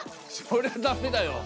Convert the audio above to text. そりゃダメだよ。